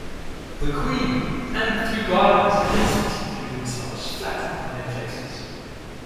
The Queen!’ and the three gardeners instantly threw themselves flat upon their faces.